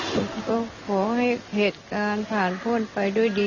ผมก็ขอให้เหตุการณ์ผ่านพ่นไปด้วยดี